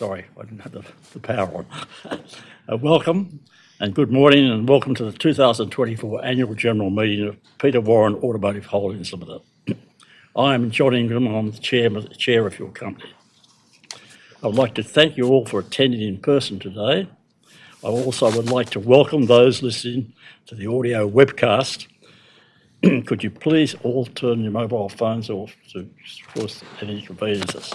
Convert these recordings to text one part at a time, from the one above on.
Sorry, I didn't have the power on. Welcome, and good morning, and welcome to the 2024 Annual General Meeting of Peter Warren Automotive Holdings Limited. I am John Ingram. I'm the Chairman, the Chair of your company. I'd like to thank you all for attending in person today. I also would like to welcome those listening to the audio webcast. Could you please all turn your mobile phones off to, of course, any conveniences?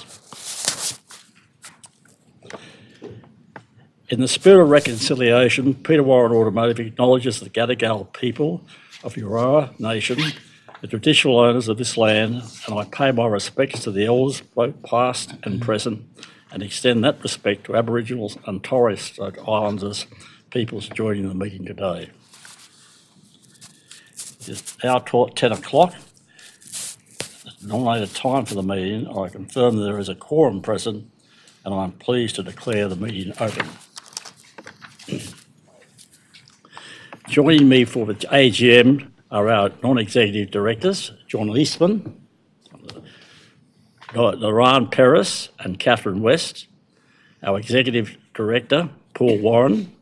In the spirit of reconciliation, Peter Warren Automotive acknowledges the Gadigal people of Eora Nation, the traditional owners of this land, and I pay my respects to the elders, both past and present, and extend that respect to Aboriginal and Torres Strait Islander peoples joining the meeting today. It's now toward ten o'clock, the nominated time for the meeting. I confirm there is a quorum present, and I'm pleased to declare the meeting open. Joining me for the AGM are our non-executive directors, John Eismann, Niran Peiris, and Catherine West, our executive director, Paul Warren.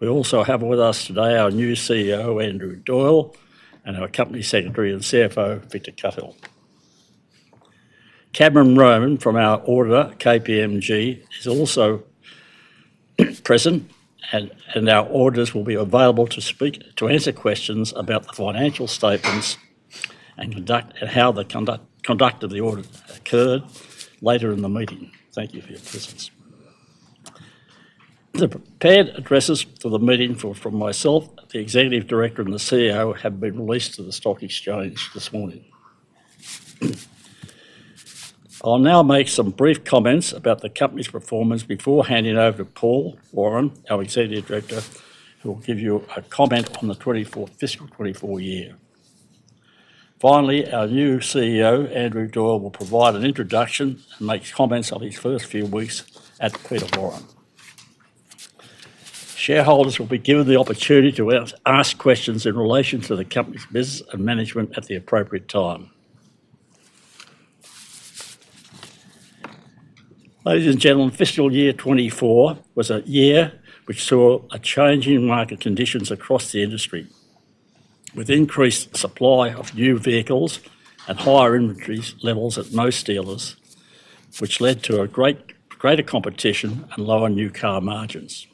We also have with us today our new CEO, Andrew Doyle, and our company secretary and CFO, Victor Cuthell. Cameron Roan from our auditor, KPMG, is also present, and our auditors will be available to answer questions about the financial statements and conduct and how the conduct of the audit occurred later in the meeting. Thank you for your presence. The prepared addresses for the meeting from myself, the executive director, and the CEO, have been released to the stock exchange this morning. I'll now make some brief comments about the company's performance before handing over to Paul Warren, our executive director, who will give you a comment on the fiscal 2024 year. Finally, our new CEO, Andrew Doyle, will provide an introduction and make comments on his first few weeks at Peter Warren. Shareholders will be given the opportunity to ask questions in relation to the company's business and management at the appropriate time. Ladies and gentlemen, fiscal year twenty-four was a year which saw a change in market conditions across the industry, with increased supply of new vehicles and higher inventory levels at most dealers, which led to greater competition and lower new car margins.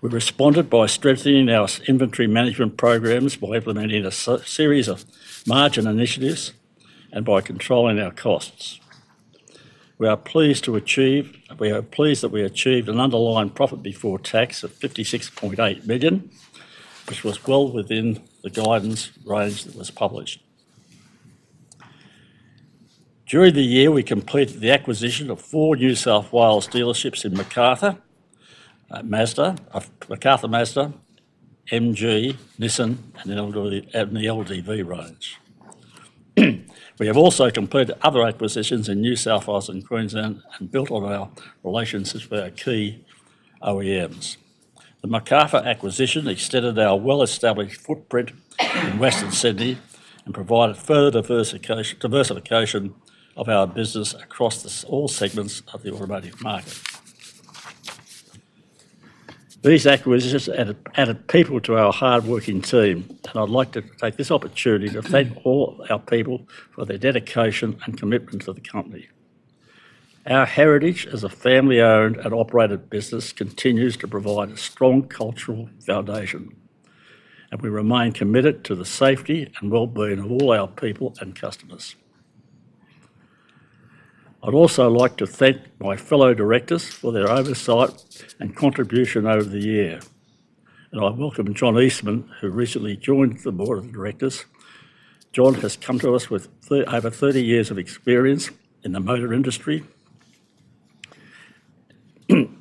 We responded by strengthening our inventory management programs, by implementing a series of margin initiatives, and by controlling our costs. We are pleased that we achieved an underlying profit before tax of 56.8 million, which was well within the guidance range that was published. During the year, we completed the acquisition of four New South Wales dealerships in Macarthur, Macarthur Mazda, MG, Nissan, and LD, and the LDV range. We have also completed other acquisitions in New South Wales and Queensland and built on our relationships with our key OEMs. The Macarthur acquisition extended our well-established footprint in Western Sydney and provided further diversification of our business across all segments of the automotive market. These acquisitions added people to our hardworking team, and I'd like to take this opportunity to thank all our people for their dedication and commitment to the company. Our heritage as a family-owned and operated business continues to provide a strong cultural foundation, and we remain committed to the safety and well-being of all our people and customers. I'd also like to thank my fellow directors for their oversight and contribution over the year, and I welcome John Eisman, who recently joined the board of directors. John has come to us with over 30 years of experience in the motor industry, and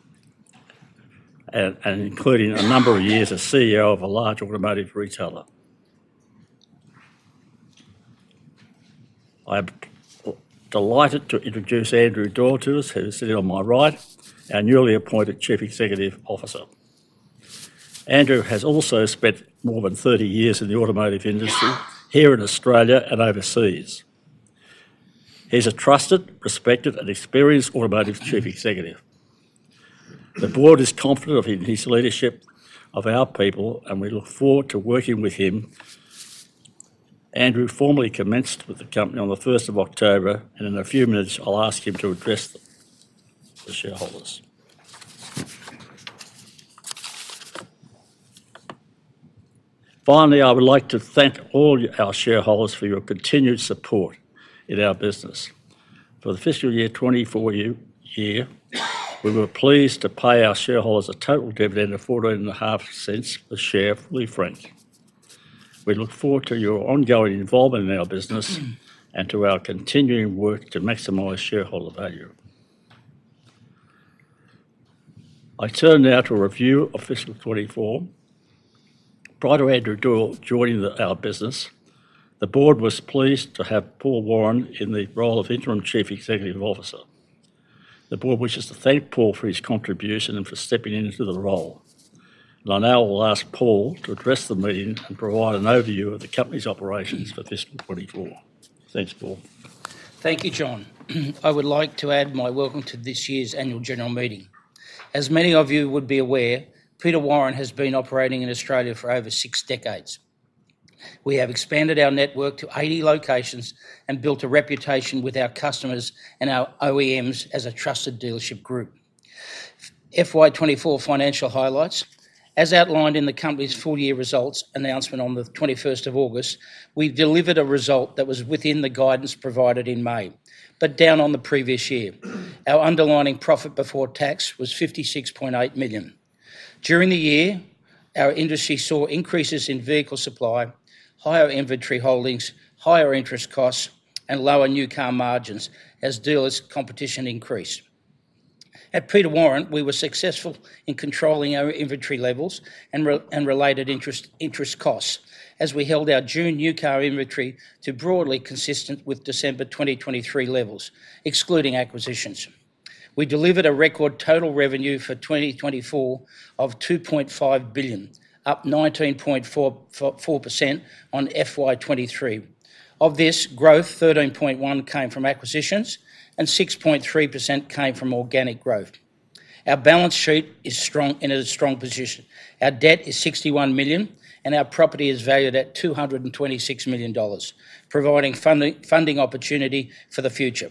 including a number of years as CEO of a large automotive retailer. I am delighted to introduce Andrew Doyle to us, who is sitting on my right, our newly appointed Chief Executive Officer. Andrew has also spent more than 30 years in the automotive industry here in Australia and overseas. He's a trusted, respected, and experienced automotive chief executive. The board is confident in his leadership of our people, and we look forward to working with him. Andrew formally commenced with the company on the first of October, and in a few minutes, I'll ask him to address the shareholders. Finally, I would like to thank all our shareholders for your continued support in our business. For the fiscal year 2024, we were pleased to pay our shareholders a total dividend of 0.145 a share, fully franked. We look forward to your ongoing involvement in our business and to our continuing work to maximize shareholder value. I turn now to a review of fiscal 2024. Prior to Andrew Doyle joining our business, the board was pleased to have Paul Warren in the role of Interim Chief Executive Officer. The board wishes to thank Paul for his contribution and for stepping into the role. I now will ask Paul to address the meeting and provide an overview of the company's operations for fiscal 2024. Thanks, Paul. Thank you, John. I would like to add my welcome to this year's Annual General Meeting. As many of you would be aware, Peter Warren has been operating in Australia for over six decades. We have expanded our network to 80 locations, and built a reputation with our customers and our OEMs as a trusted dealership group. FY 2024 financial highlights. As outlined in the company's full year results announcement on the 21st of August, we've delivered a result that was within the guidance provided in May, but down on the previous year. Our underlying profit before tax was 56.8 million. During the year, our industry saw increases in vehicle supply, higher inventory holdings, higher interest costs, and lower new car margins as dealers' competition increased. At Peter Warren, we were successful in controlling our inventory levels, and related interest costs, as we held our June new car inventory to broadly consistent with December 2023 levels, excluding acquisitions. We delivered a record total revenue for 2024 of 2.5 billion, up 19.4% on FY 2023. Of this growth, 13.1% came from acquisitions, and 6.3% came from organic growth. Our balance sheet is strong, in a strong position. Our debt is 61 million, and our property is valued at 226 million dollars, providing funding opportunity for the future.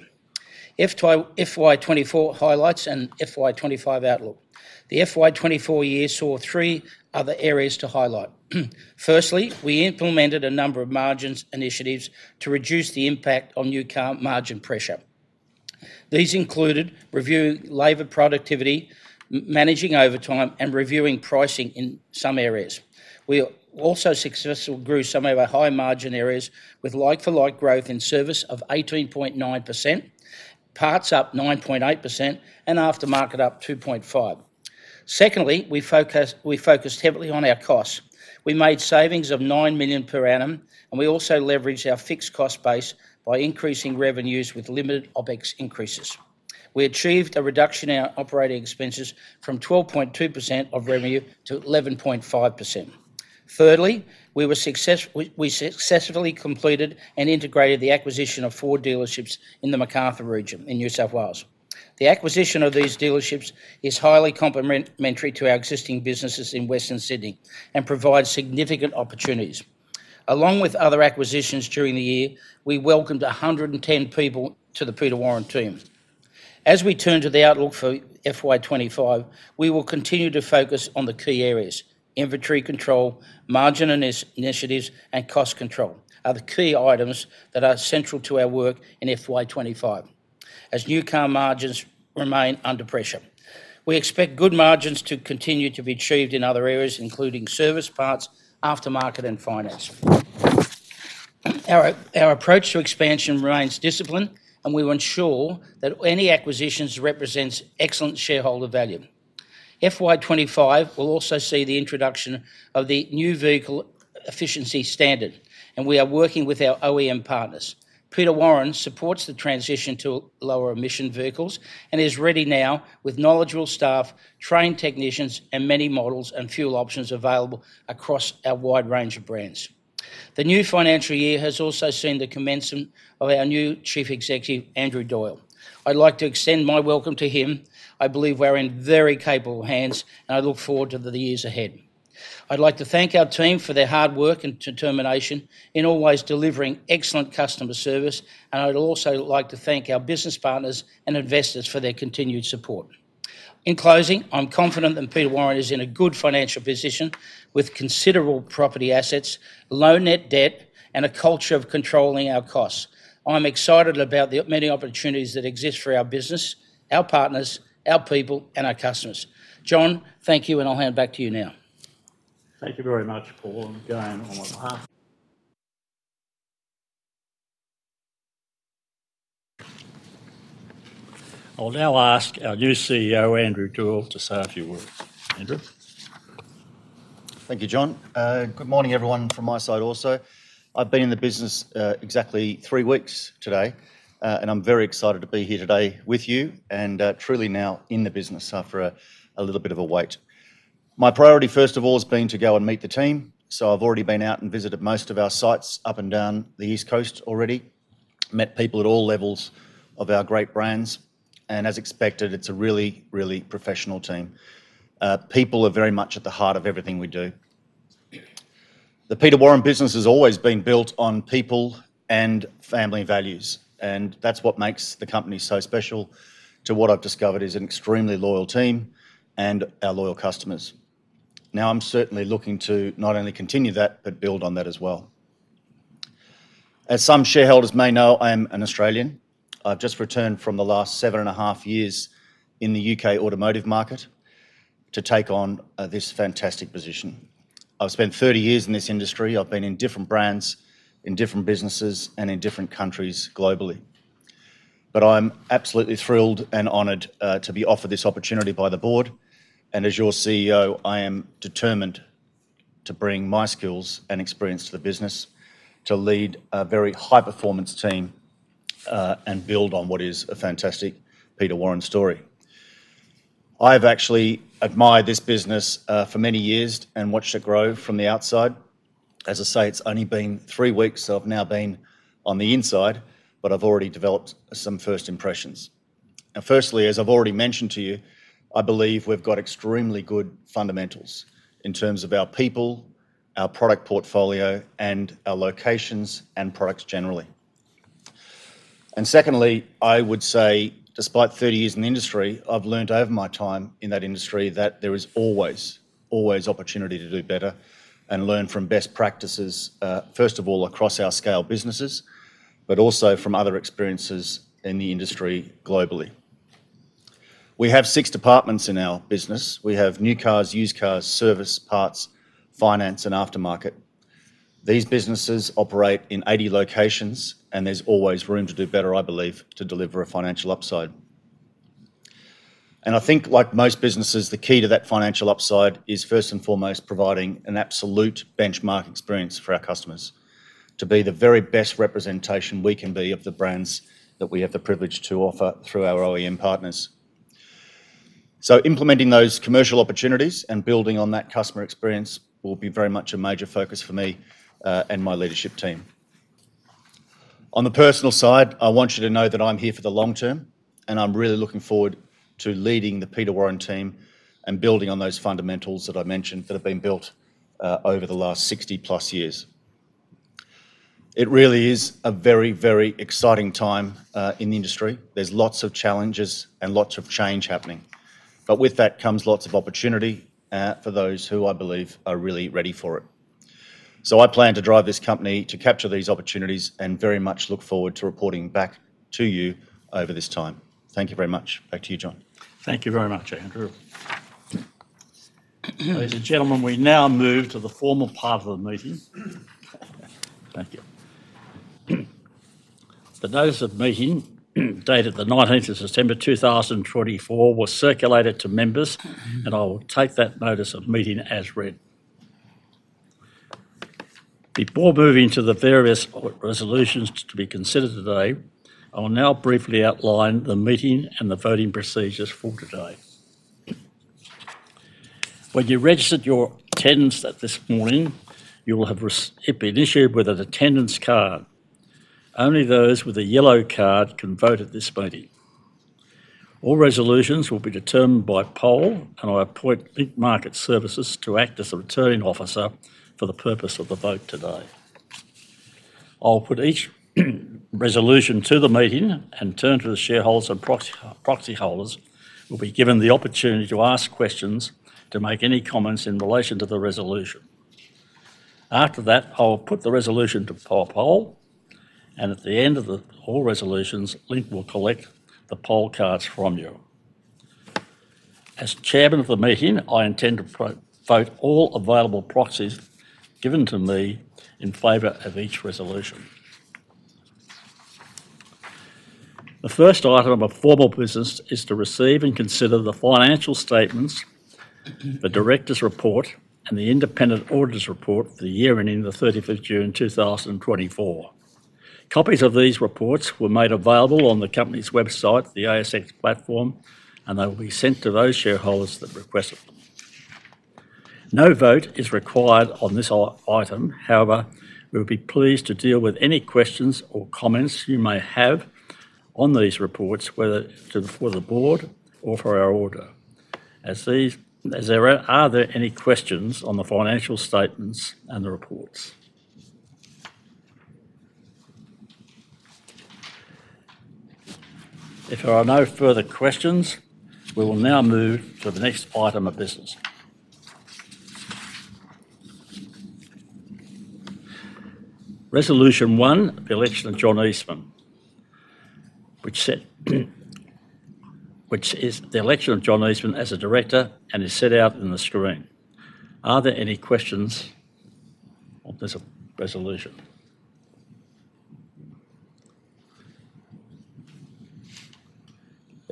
FY 2024 highlights and FY 2025 outlook. The FY 2024 year saw three other areas to highlight. Firstly, we implemented a number of margins initiatives to reduce the impact on new car margin pressure. These included reviewing labor productivity, managing overtime, and reviewing pricing in some areas. We also successfully grew some of our high-margin areas with like-for-like growth in service of 18.9%, parts up 9.8%, and aftermarket up 2.5%. Secondly, we focused heavily on our costs. We made savings of 9 million per annum, and we also leveraged our fixed cost base by increasing revenues with limited OpEx increases. We achieved a reduction in our operating expenses from 12.2% of revenue to 11.5%. Thirdly, we successfully completed and integrated the acquisition of four dealerships in the Macarthur region in New South Wales. The acquisition of these dealerships is highly complementary to our existing businesses in Western Sydney, and provides significant opportunities. Along with other acquisitions during the year, we welcomed 110 people to the Peter Warren team. As we turn to the outlook for FY 2025, we will continue to focus on the key areas: inventory control, margin initiatives, and cost control are the key items that are central to our work in FY 2025, as new car margins remain under pressure. We expect good margins to continue to be achieved in other areas, including service parts, aftermarket, and finance. Our approach to expansion remains disciplined, and we will ensure that any acquisitions represents excellent shareholder value. FY 2025 will also see the introduction of the New Vehicle Efficiency Standard, and we are working with our OEM partners. Peter Warren supports the transition to lower emission vehicles, and is ready now with knowledgeable staff, trained technicians, and many models and fuel options available across our wide range of brands. The new financial year has also seen the commencement of our new Chief Executive, Andrew Doyle. I'd like to extend my welcome to him. I believe we're in very capable hands, and I look forward to the years ahead. I'd like to thank our team for their hard work and determination in always delivering excellent customer service, and I'd also like to thank our business partners and investors for their continued support. In closing, I'm confident that Peter Warren is in a good financial position, with considerable property assets, low net debt, and a culture of controlling our costs. I'm excited about the many opportunities that exist for our business, our partners, our people, and our customers. John, thank you, and I'll hand back to you now. Thank you very much, Paul. Again, on my behalf. I'll now ask our new CEO, Andrew Doyle, to say a few words. Andrew? Thank you, John. Good morning, everyone, from my side also. I've been in the business exactly three weeks today, and I'm very excited to be here today with you, and truly now in the business after a little bit of a wait. My priority, first of all, has been to go and meet the team, so I've already been out and visited most of our sites up and down the East Coast already. Met people at all levels of our great brands, and as expected, it's a really, really professional team. People are very much at the heart of everything we do. The Peter Warren business has always been built on people and family values, and that's what makes the company so special to what I've discovered is an extremely loyal team, and our loyal customers. Now, I'm certainly looking to not only continue that, but build on that as well. As some shareholders may know, I am an Australian. I've just returned from the last seven and a half years in the U.K. automotive market to take on this fantastic position. I've spent 30 years in this industry. I've been in different brands, in different businesses, and in different countries globally. But I'm absolutely thrilled and honored to be offered this opportunity by the board, and as your CEO, I am determined to bring my skills and experience to the business, to lead a very high-performance team and build on what is a fantastic Peter Warren story. I've actually admired this business for many years, and watched it grow from the outside. As I say, it's only been three weeks, so I've now been on the inside, but I've already developed some first impressions. And firstly, as I've already mentioned to you, I believe we've got extremely good fundamentals in terms of our people, our product portfolio, and our locations and products generally. And secondly, I would say despite 30 years in the industry, I've learned over my time in that industry that there is always, always opportunity to do better and learn from best practices, first of all, across our scale businesses, but also from other experiences in the industry globally. We have six departments in our business. We have new cars, used cars, service, parts, finance, and aftermarket. These businesses operate in 80 locations, and there's always room to do better, I believe, to deliver a financial upside. I think, like most businesses, the key to that financial upside is, first and foremost, providing an absolute benchmark experience for our customers, to be the very best representation we can be of the brands that we have the privilege to offer through our OEM partners. So implementing those commercial opportunities and building on that customer experience will be very much a major focus for me, and my leadership team. On the personal side, I want you to know that I'm here for the long term, and I'm really looking forward to leading the Peter Warren team and building on those fundamentals that I've mentioned that have been built, over the last 60+ years. It really is a very, very exciting time, in the industry. There's lots of challenges and lots of change happening. But with that comes lots of opportunity, for those who I believe are really ready for it. So I plan to drive this company to capture these opportunities and very much look forward to reporting back to you over this time. Thank you very much. Back to you, John. Thank you very much, Andrew. Ladies and gentlemen, we now move to the formal part of the meeting. Thank you. The notice of meeting dated the 19th of September 2024 was circulated to members, and I will take that notice of meeting as read. Before moving to the various resolutions to be considered today, I will now briefly outline the meeting and the voting procedures for today. When you registered your attendance this morning, you will have been issued with an attendance card. Only those with a yellow card can vote at this meeting. All resolutions will be determined by poll, and I appoint Link Market Services to act as the returning officer for the purpose of the vote today. I'll put each resolution to the meeting and turn to the shareholders and proxy holders, who will be given the opportunity to ask questions, to make any comments in relation to the resolution. After that, I will put the resolution to poll, and at the end of all resolutions, Link will collect the poll cards from you. As Chairman of the meeting, I intend to vote all available proxies given to me in favor of each resolution. The first item of formal business is to receive and consider the financial statements, the directors' report, and the independent auditors' report for the year ending the 30th of June 2024. Copies of these reports were made available on the company's website, the ASX platform, and they will be sent to those shareholders that request them. No vote is required on this item. However, we'll be pleased to deal with any questions or comments you may have on these reports, whether to, for the board or for our auditor. Are there any questions on the financial statements and the reports? If there are no further questions, we will now move to the next item of business. Resolution one, the election of John Eisman, which is the election of John Eisman as a director and is set out in the screen. Are there any questions on this resolution?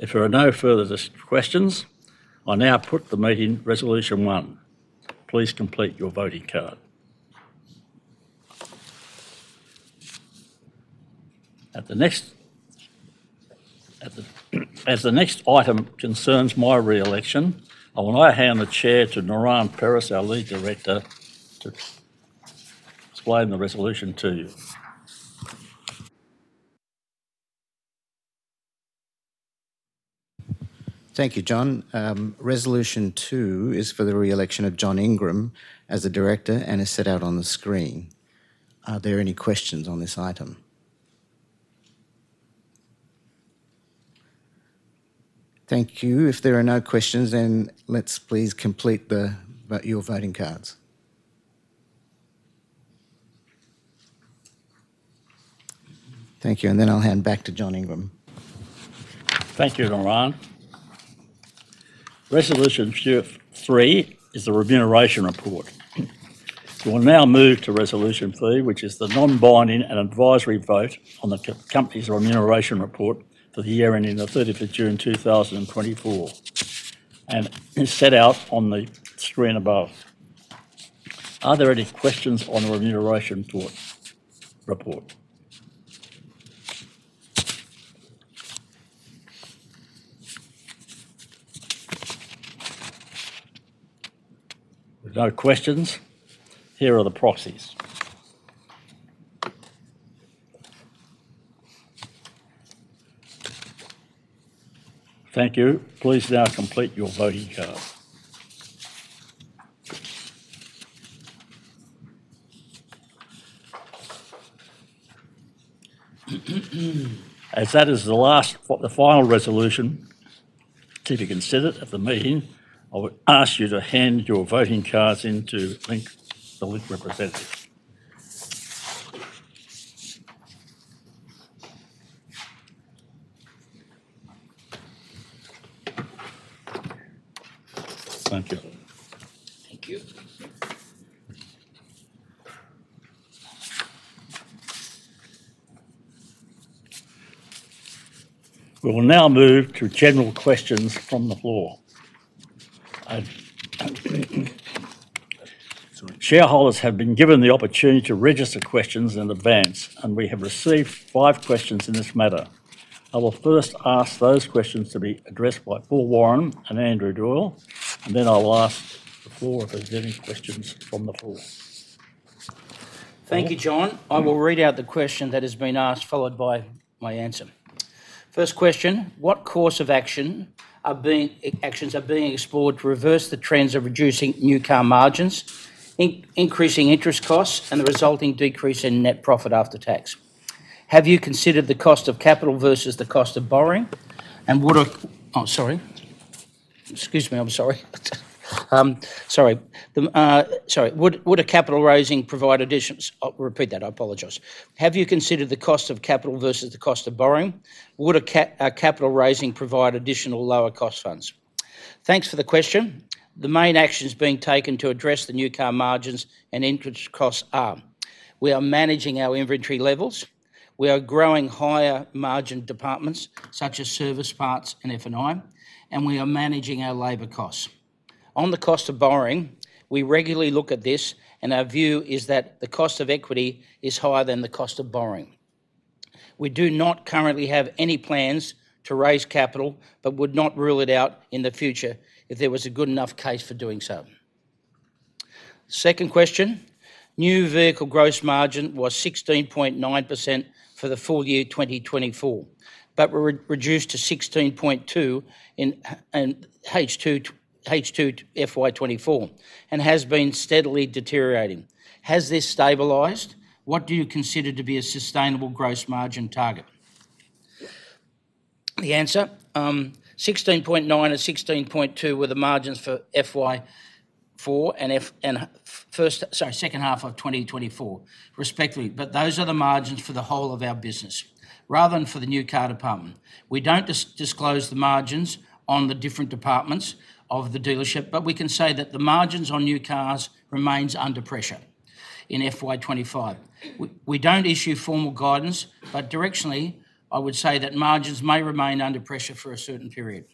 If there are no further questions, I now put the meeting resolution one. Please complete your voting card. As the next item concerns my re-election, I want to hand the chair to Niran Peiris, our lead director, to explain the resolution to you. Thank you, John. Resolution two is for the re-election of John Ingram as a director and is set out on the screen. Are there any questions on this item? Thank you. If there are no questions, then let's please complete your voting cards. Thank you, and then I'll hand back to John Ingram. Thank you, Niran. Resolution three is the remuneration report. We will now move to resolution three, which is the non-binding and advisory vote on the company's remuneration report for the year ending the 30th of June 2024, and is set out on the screen above. Are there any questions on the remuneration report? No questions. Here are the proxies. Thank you. Please now complete your voting card. As that is the last, the final resolution to be considered at the meeting, I would ask you to hand your voting cards in to Link, the Link representative. Thank you. Thank you. We will now move to general questions from the floor. Shareholders have been given the opportunity to register questions in advance, and we have received five questions in this matter. I will first ask those questions to be addressed by Paul Warren and Andrew Doyle, and then I'll ask the floor if there's any questions from the floor. Thank you, John. I will read out the question that has been asked, followed by my answer. First question: What course of actions are being explored to reverse the trends of reducing new car margins, increasing interest costs, and the resulting decrease in net profit after tax? Have you considered the cost of capital versus the cost of borrowing? Would a capital raising provide additional lower cost funds? Thanks for the question. The main actions being taken to address the new car margins and interest costs are: we are managing our inventory levels, we are growing higher margin departments, such as service parts and F&I, and we are managing our labor costs. On the cost of borrowing, we regularly look at this, and our view is that the cost of equity is higher than the cost of borrowing. We do not currently have any plans to raise capital, but would not rule it out in the future if there was a good enough case for doing so. Second question: New vehicle gross margin was 16.9% for the full year 2024, but were reduced to 16.2% in H2 to FY 2024, and has been steadily deteriorating. Has this stabilized? What do you consider to be a sustainable gross margin target? The answer, sixteen point nine and sixteen point two were the margins for second half of 2024, respectively, but those are the margins for the whole of our business, rather than for the new car department. We don't disclose the margins on the different departments of the dealership, but we can say that the margins on new cars remains under pressure in FY 2025. We don't issue formal guidance, but directionally, I would say that margins may remain under pressure for a certain period.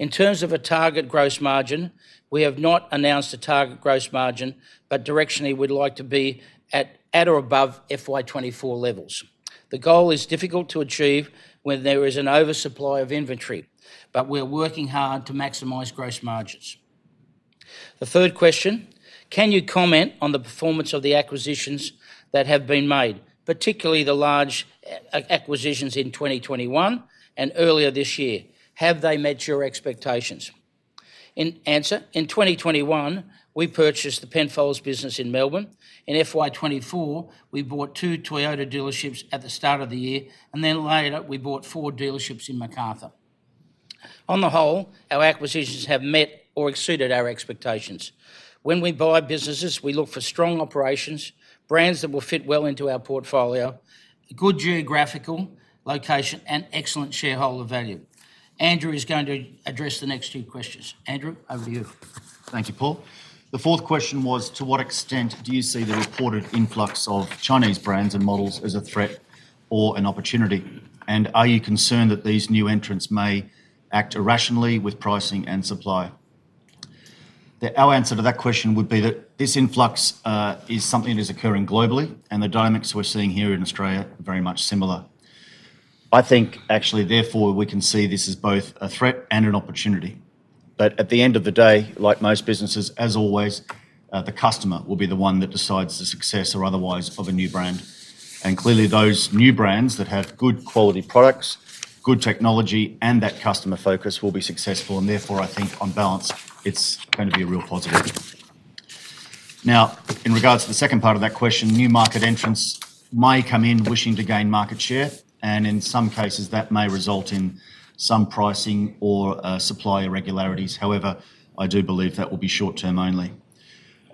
In terms of a target gross margin, we have not announced a target gross margin, but directionally we'd like to be at or above FY 2024 levels. The goal is difficult to achieve when there is an oversupply of inventory, but we're working hard to maximize gross margins. The third question: Can you comment on the performance of the acquisitions that have been made, particularly the large acquisitions in 2021 and earlier this year? Have they met your expectations? In answer, in 2021, we purchased the Penfold business in Melbourne. In FY 2024, we bought two Toyota dealerships at the start of the year, and then later, we bought four dealerships in Macarthur. On the whole, our acquisitions have met or exceeded our expectations. When we buy businesses, we look for strong operations, brands that will fit well into our portfolio, a good geographical location, and excellent shareholder value. Andrew is going to address the next two questions. Andrew, over to you. Thank you, Paul. The fourth question was: To what extent do you see the reported influx of Chinese brands and models as a threat or an opportunity, and are you concerned that these new entrants may act irrationally with pricing and supply? Our answer to that question would be that this influx is something that is occurring globally, and the dynamics we're seeing here in Australia are very much similar. I think, actually, therefore, we can see this as both a threat and an opportunity. But at the end of the day, like most businesses, as always, the customer will be the one that decides the success or otherwise of a new brand. And clearly, those new brands that have good quality products, good technology, and that customer focus, will be successful, and therefore, I think on balance, it's gonna be a real positive. Now, in regards to the second part of that question, new market entrants may come in wishing to gain market share, and in some cases, that may result in some pricing or supply irregularities. However, I do believe that will be short-term only.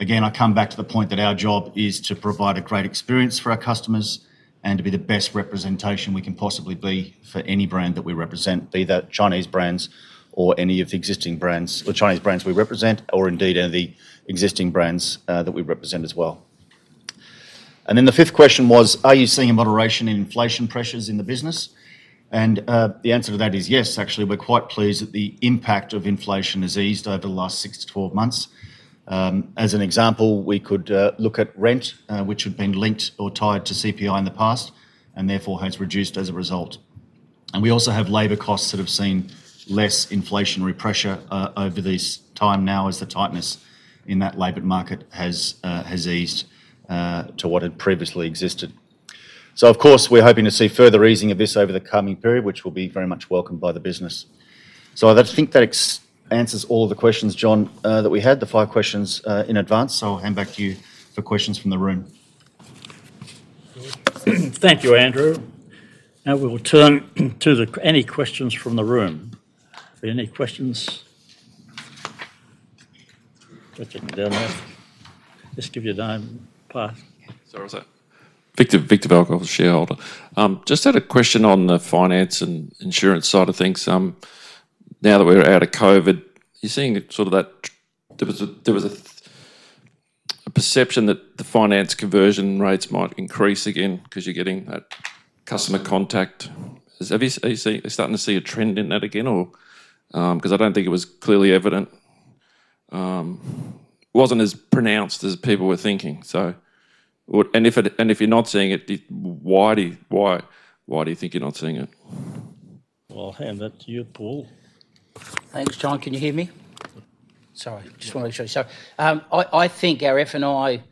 Again, I come back to the point that our job is to provide a great experience for our customers and to be the best representation we can possibly be for any brand that we represent, be that Chinese brands or any of the existing brands or Chinese brands we represent, or indeed, any existing brands that we represent as well. And then the fifth question was: Are you seeing a moderation in inflation pressures in the business? And, the answer to that is yes, actually. We're quite pleased that the impact of inflation has eased over the last six to 12 months. As an example, we could look at rent, which had been linked or tied to CPI in the past, and therefore has reduced as a result. And we also have labor costs that have seen less inflationary pressure over this time now as the tightness in that labor market has eased to what had previously existed. So of course, we're hoping to see further easing of this over the coming period, which will be very much welcomed by the business. So I think that answers all of the questions, John, that we had, the five questions in advance, so I'll hand back to you for questions from the room. Thank you, Andrew. Now we will turn to any questions from the room. Are there any questions? Down there. Just give your name. Sorry, was that.. Victor Belkov, shareholder. Just had a question on the finance and insurance side of things. Now that we're out of COVID, are you seeing sort of that. There was a perception that the finance conversion rates might increase again, 'cause you're getting that customer contact. Are you starting to see a trend in that again or? 'Cause I don't think it was clearly evident. Wasn't as pronounced as people were thinking, so. And if you're not seeing it, why do you think you're not seeing it? I'll hand that to you, Paul. Thanks, John. Can you hear me? Sorry, just wanted to make sure. So, I think our F&I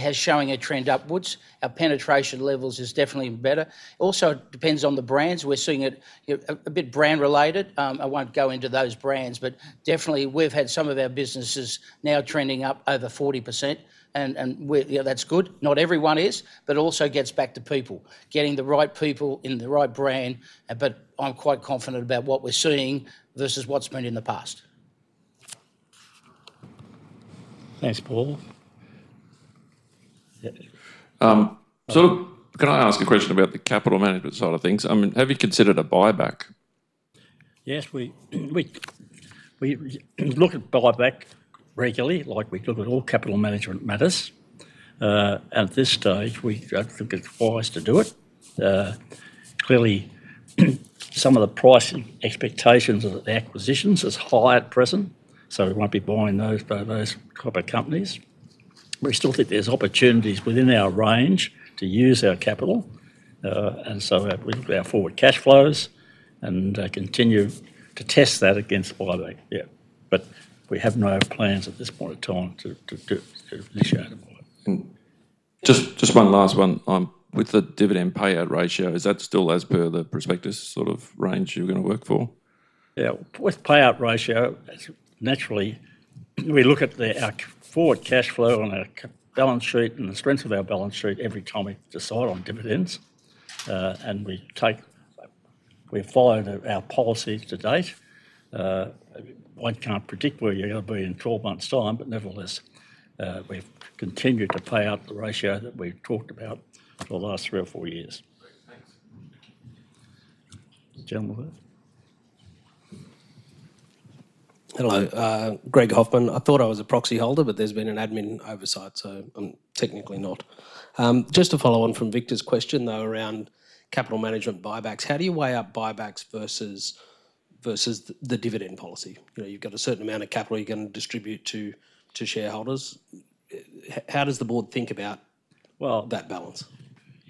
is showing a trend upwards. Our penetration levels is definitely better. Also, it depends on the brands. We're seeing it a bit brand-related. I won't go into those brands, but definitely we've had some of our businesses now trending up over 40%, and we're. You know, that's good. Not everyone is, but also gets back to people. Getting the right people in the right brand, but I'm quite confident about what we're seeing versus what's been in the past. Thanks, Paul. Yeah. So, can I ask a question about the capital management side of things? I mean, have you considered a buyback? Yes, we look at buyback regularly, like we look at all capital management matters. At this stage, we don't think it's wise to do it. Clearly, some of the price expectations of the acquisitions is high at present, so we won't be buying those type of companies. We still think there's opportunities within our range to use our capital, and so we look at our forward cash flows, and continue to test that against buyback, yeah. But we have no plans at this point in time to initiate a buyback. Just one last one. With the dividend payout ratio, is that still as per the prospectus sort of range you're gonna work for? Yeah. With payout ratio, naturally, we look at the, our forward cash flow on our balance sheet and the strength of our balance sheet every time we decide on dividends. And we've followed our policy to date. One can't predict where you're gonna be in 12 months' time, but nevertheless, we've continued to pay out the ratio that we've talked about for the last three or four years. Great, thanks. The gentleman there. Hello, Greg Hoffman. I thought I was a proxy holder, but there's been an admin oversight, so I'm technically not. Just to follow on from Victor's question, though, around capital management buybacks, how do you weigh up buybacks versus the dividend policy? You know, you've got a certain amount of capital you're gonna distribute to shareholders. How does the board think about that balance?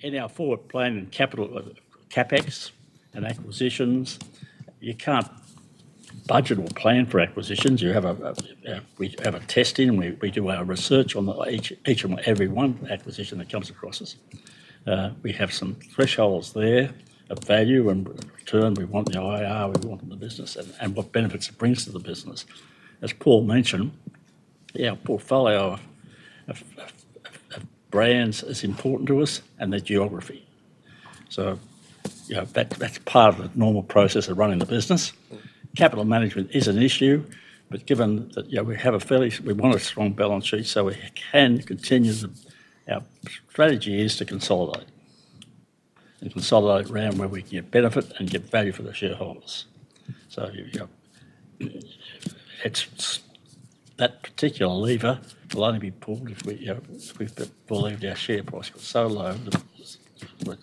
In our forward planning capital, CapEx and acquisitions, you can't budget or plan for acquisitions. We have a testing, and we do our research on each and every one acquisition that comes across us. We have some thresholds there, of value and return. We want the IRR we want in the business, and what benefits it brings to the business. As Paul mentioned, our portfolio of brands is important to us and their geography. So, you know, that's part of the normal process of running the business. Capital management is an issue, but given that, you know, we want a strong balance sheet, so we can continue our strategy is to consolidate around where we can get benefit and get value for the shareholders. So, it's that particular lever will only be pulled if we believed our share price got so low that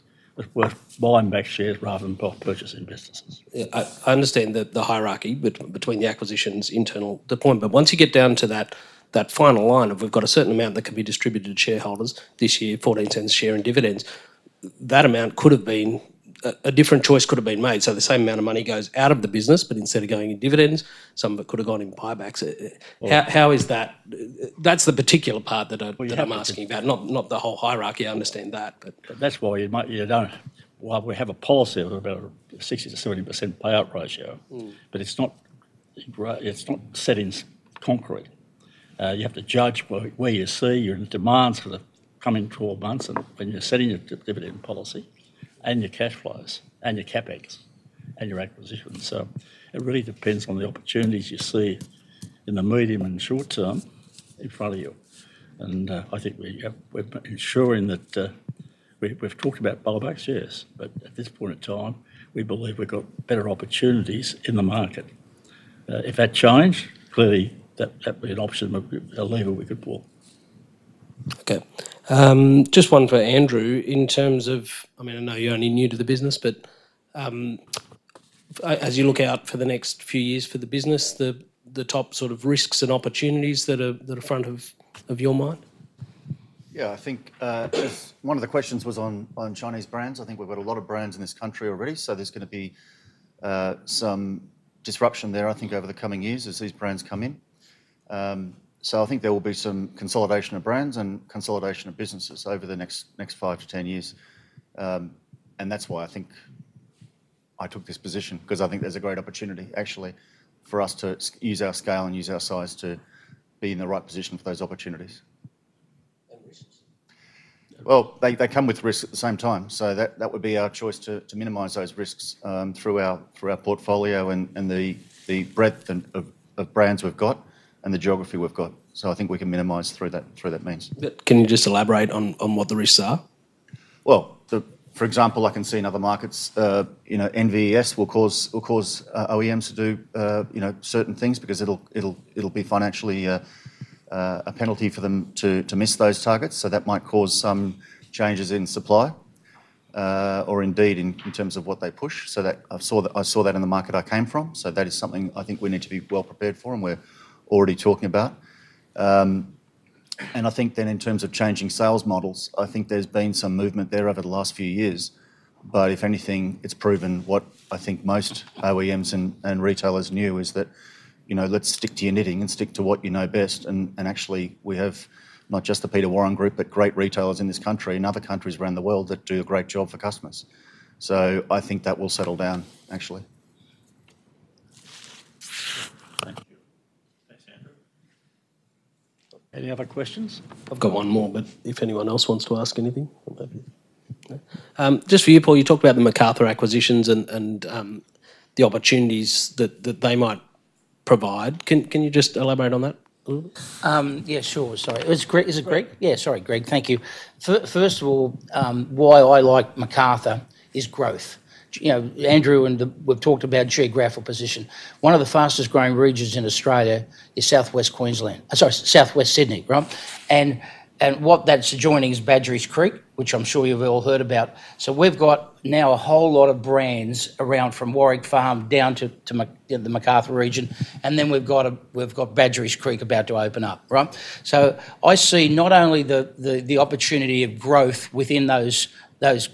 we're buying back shares rather than purchasing businesses. Yeah, I understand the hierarchy between the acquisitions internal. The point, but once you get down to that final line of we've got a certain amount that can be distributed to shareholders, this year 0.14 share in dividends, that amount could have been a different choice could have been made. So the same amount of money goes out of the business, but instead of going in dividends, some of it could have gone in buybacks. Well, how is that? That's the particular part that I'm- You have to-that I'm asking about, not the whole hierarchy. I understand that, but? While we have a policy of about 60%-70% payout ratio, but it's not, it's not set in concrete. You have to judge where you see your demands for the coming 12 months and when you're setting your dividend policy, and your cash flows, and your CapEx, and your acquisitions. So it really depends on the opportunities you see in the medium and short term in front of you. And, I think we're ensuring that, we've talked about buybacks, yes. But at this point in time, we believe we've got better opportunities in the market. If that changed, clearly that'd be an option, a lever we could pull. Okay. Just one for Andrew. In terms of, I mean, I know you're only new to the business, but, as you look out for the next few years for the business, the top sort of risks and opportunities that are front of your mind? Yeah, I think one of the questions was on Chinese brands. I think we've got a lot of brands in this country already, so there's gonna be some disruption there, I think, over the coming years as these brands come in. So I think there will be some consolidation of brands and consolidation of businesses over the next five to 10 years. And that's why I think I took this position, 'cause I think there's a great opportunity, actually, for us to use our scale and use our size to be in the right position for those opportunities. And risks? They come with risks at the same time, so that would be our choice to minimize those risks through our portfolio and the breadth of brands we've got, and the geography we've got. So I think we can minimize through that means. But can you just elaborate on what the risks are? For example, I can see in other markets, you know, NVES will cause OEMs to do, you know, certain things because it'll be financially a penalty for them to miss those targets. So that might cause some changes in supply, or indeed in terms of what they push. So that- I saw that in the market I came from, so that is something I think we need to be well prepared for and we're already talking about. And I think then in terms of changing sales models, I think there's been some movement there over the last few years, but if anything, it's proven what I think most OEMs and retailers knew, is that, you know, let's stick to your knitting and stick to what you know best. Actually, we have not just the Peter Warren Group, but great retailers in this country and other countries around the world that do a great job for customers. So I think that will settle down actually. Thank you. Thanks, Andrew. Any other questions? I've got one more, but if anyone else wants to ask anything? Just for you, Paul, you talked about the Macarthur acquisitions and the opportunities that they might provide. Can you just elaborate on that a little bit? Yeah, sure. Sorry. It's Greg, is it Greg? Yeah. Yeah. Sorry, Greg, thank you. First of all, why I like Macarthur is growth. You know, Andrew and we've talked about geographical position. One of the fastest growing regions in Australia is South West Queensland... Sorry, South West Sydney, right? And what that's adjoining is Badgerys Creek, which I'm sure you've all heard about. So we've got now a whole lot of brands around from Warwick Farm down to the Macarthur region, and then we've got Badgerys Creek about to open up, right? So I see not only the opportunity of growth within those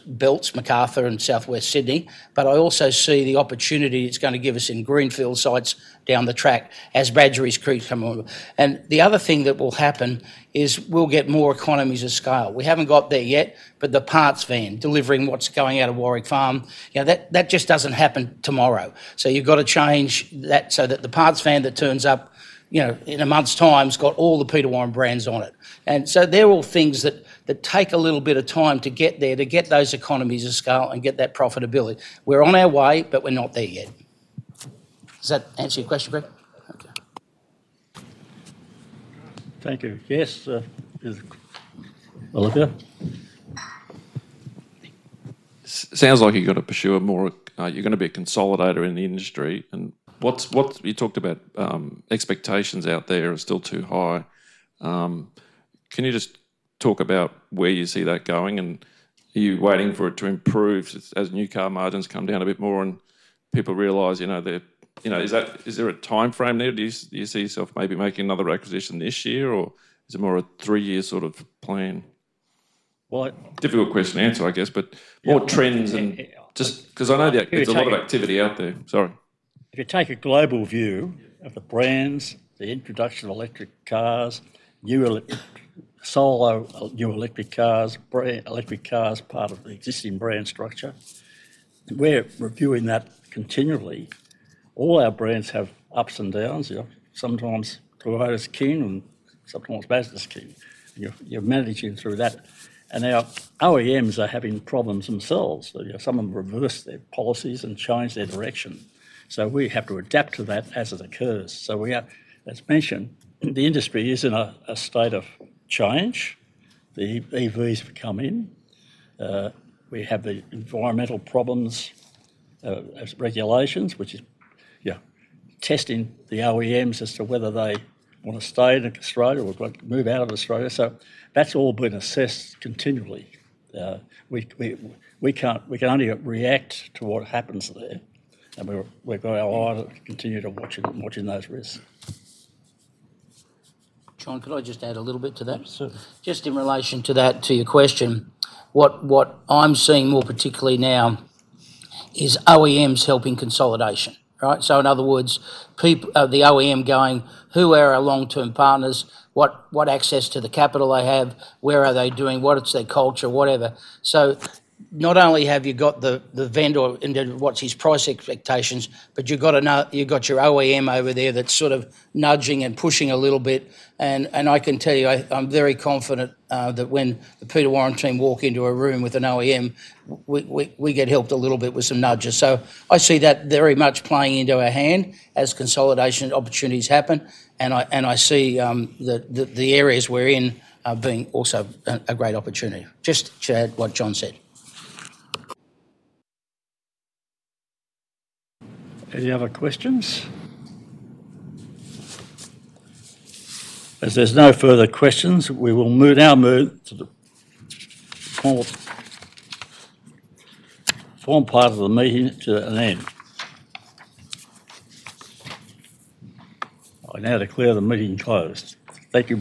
belts, Macarthur and South West Sydney, but I also see the opportunity it's gonna give us in greenfield sites down the track as Badgerys Creek come on. And the other thing that will happen is we'll get more economies of scale. We haven't got there yet, but the parts van delivering what's going out of Warwick Farm, you know, that, that just doesn't happen tomorrow. So you've got to change that so that the parts van that turns up, you know, in a month's time, has got all the Peter Warren brands on it. And so they're all things that, that take a little bit of time to get there, to get those economies of scale and get that profitability. We're on our way, but we're not there yet. Does that answer your question, Greg? Okay. Thank you. Yes, Olivier? It sounds like you've got to pursue a more. You're gonna be a consolidator in the industry. And what you talked about, expectations out there are still too high. Can you just talk about where you see that going, and are you waiting for it to improve as new car margins come down a bit more and people realize, you know, the. You know, is that, is there a timeframe there? Do you see yourself maybe making another acquisition this year, or is it more a three-year sort of plan? Well, I- Difficult question to answer, I guess, but- Yeah... more trends and- Yeah, yeah Just because I know that there's a lot of activity out there. Sorry. If you take a global view of the brands, the introduction of electric cars, new electric cars, part of the existing brand structure, we're reviewing that continually. All our brands have ups and downs. Yeah, sometimes Toyota's king, and sometimes Mazda's king, and you're managing through that. And our OEMs are having problems themselves. You know, some of them reverse their policies and change their direction. So we have, as mentioned, the industry is in a state of change. The EVs have come in. We have the environmental problems as regulations, which is, yeah, testing the OEMs as to whether they want to stay in Australia or want to move out of Australia. So that's all been assessed continually. We can only react to what happens there, and we've got our eyes continue to watching those risks. John, could I just add a little bit to that? Sure. Just in relation to that, to your question, what I'm seeing more particularly now is OEMs helping consolidation. Right? So in other words, the OEM going: "Who are our long-term partners? What, what access to the capital they have? Where are they doing? What is their culture?" Whatever. So not only have you got the vendor and then what's his price expectations, but you've got your OEM over there that's sort of nudging and pushing a little bit. And I can tell you, I'm very confident that when the Peter Warren team walk into a room with an OEM, we get helped a little bit with some nudges. So I see that very much playing into our hand as consolidation opportunities happen, and I see the areas we're in being also a great opportunity. Just to add what John said. Any other questions? As there's no further questions, we will now move to the formal part of the meeting to an end. I now declare the meeting closed. Thank you.